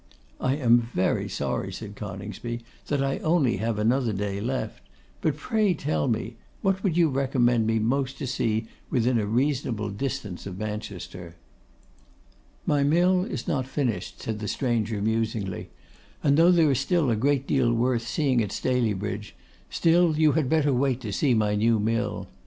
'I am very sorry,' said Coningsby, 'that I have only another day left; but pray tell me, what would you recommend me most to see within a reasonable distance of Manchester?' 'My mill is not finished,' said the stranger musingly, 'and though there is still a great deal worth seeing at Staleybridge, still you had better wait to see my new mill.